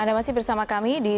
anda masih bersama kami di